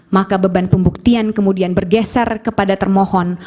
maka beban pembuktian kemudian bergeser kepada termohon